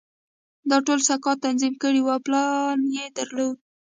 دا ټول سکاټ تنظیم کړي وو او پلان یې درلود